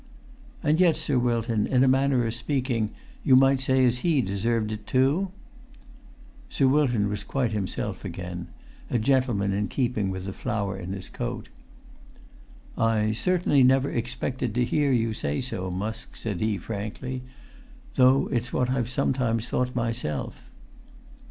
"And yet, Sir Wilton, in a manner o' speaking, you might say as he deserved it, too?" Sir Wilton was quite himself again—a gentleman in keeping with the flower in his coat. "I certainly never expected to hear you say so, Musk," said he frankly; "though it's what I've sometimes thought myself."